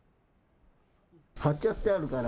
はっちゃってあるから。